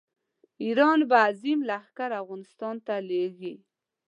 ایران به عظیم لښکر افغانستان ته لېږي.